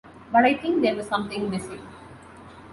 But I think there was something missing.